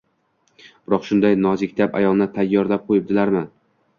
Biroq, shunday nozikta’b ayolni tayyorlab qo‘yibdilarmi